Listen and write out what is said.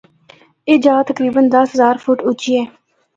اے جآ تقریبا دس ہزار فٹ اُچی ہے۔